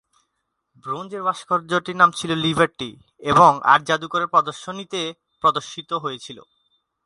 ব্রোঞ্জের ভাস্কর্যটির নাম ছিল "লিবার্টি" এবং আর্ট জাদুঘরের প্রদর্শনীতে প্রদর্শিত হয়েছিল।